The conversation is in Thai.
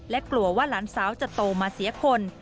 และกลัวว่าหลานสาวจะโตมาเสียคน